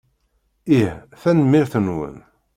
Ih. Tanemmirt-nwen.